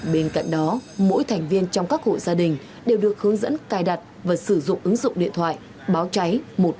bên cạnh đó mỗi thành viên trong các hộ gia đình đều được hướng dẫn cài đặt và sử dụng ứng dụng điện thoại báo cháy một trăm một mươi